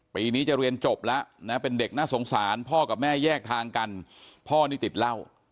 ปีนี้จะเรียนจบแล้วนะเป็นเด็กน่าสงสารพ่อกับแม่แยกทางกันพ่อนี่ติดเหล้า